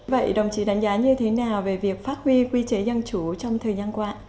vậy đồng chí đánh giá như thế nào về việc phát huy quy chế dân chủ trong thời gian qua